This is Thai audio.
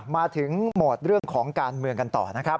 มาถึงโหมดเรื่องของการเมืองกันต่อนะครับ